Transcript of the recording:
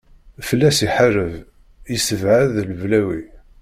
Fell-as iḥareb, yessebɛed leblawi.